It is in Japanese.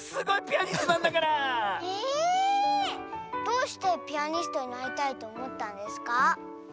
どうしてピアニストになりたいとおもったんですか？